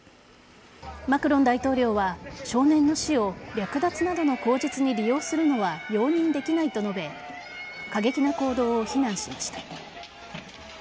マクロン大統領は少年の死を略奪などの口実に利用するのは容認できないと述べ過激な行動を非難しました。